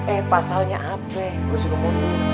eh pasalnya ape gue suruh mundur